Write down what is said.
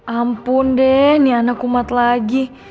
ampun deh nih anak kumat lagi